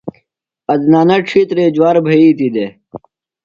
عدنانہ ڇِھیترے جُوار بھئیتیۡ دےۡ۔